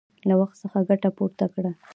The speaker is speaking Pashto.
له وخت څخه ګټه پورته کړه!